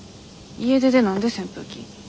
家出で何で扇風機？